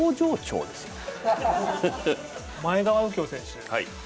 前川右京選手